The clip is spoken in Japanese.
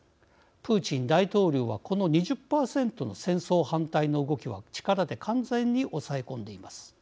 プーチン大統領はこの２０％の戦争反対の動きは力で完全に押さえ込んでいます。